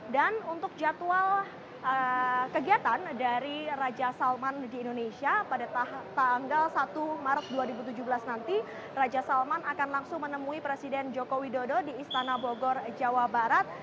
dan untuk jadwal kegiatan dari raja salman di indonesia pada tanggal satu maret dua ribu tujuh belas nanti raja salman akan langsung menemui presiden joko widodo di istana bogor jawa barat